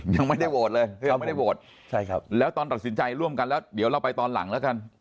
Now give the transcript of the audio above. ยังไม่ได้โหวตเลยยังไม่ได้โหวตใช่ครับแล้วตอนตัดสินใจร่วมกันแล้วเดี๋ยวเราไปตอนหลังแล้วกัน